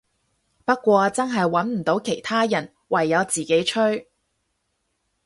不過真係穩唔到其他人，唯有自己吹